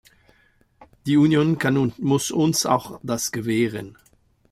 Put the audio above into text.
Die Union kann und muss uns auch das gewähren.